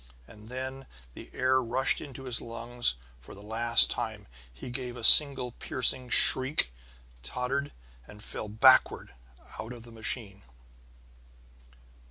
And then the air rushed into his lungs for the last time; he gave a single piercing shriek, tottered, and fell backward out of the machine.